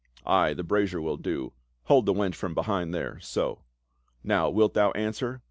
" Ay, the brazier will do. Hold the wench from behind there — so. Now wilt thou answer